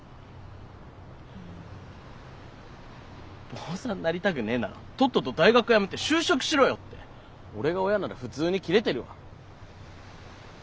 坊さんなりたぐねえならとっとと大学やめて就職しろよって俺が親なら普通に切れてるわ。